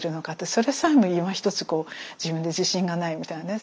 それさえもいまひとつ自分で自信がないみたいな。